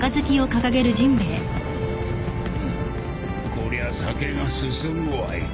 こりゃ酒が進むわい。